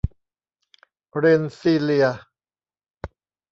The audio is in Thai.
เรนส์ซีเลียร์